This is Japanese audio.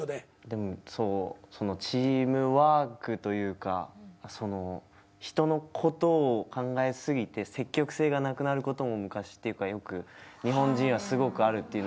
でもそうチームワークというか人のことを考え過ぎて積極性がなくなることもよく日本人はすごくあるっていわれていて。